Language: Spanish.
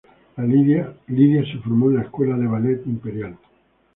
Lidia se formó en la Escuela del Ballet Imperial.